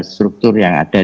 struktur yang ada